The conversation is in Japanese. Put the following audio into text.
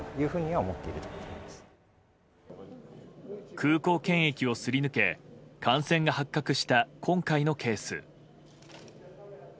空港検疫をすり抜け感染が発覚した今回のケース。